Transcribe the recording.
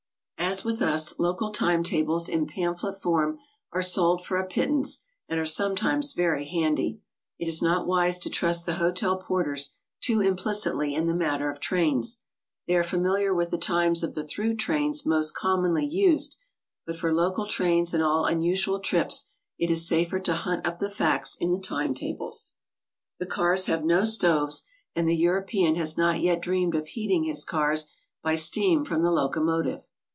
As with us, local time tables in pamphlet form are sold for a pittance, and are sometimes very handy. It is not wise to trust the hotel porters too impli'citly in the matter of trains. They are familiar with the times of the throngh trains most commonly used, but for local trains and all unu sual trips it is safer to hunt up the facts in the time tables. The cars have no stoves, and the European has not yet dreamed of heating his cars by steam from the locomotive.